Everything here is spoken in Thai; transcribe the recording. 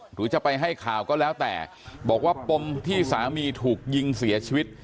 หรือจะไปให้ข่าวก็แล้วแต่บอกว่าปมที่สามีถูกยิงเสียชีวิต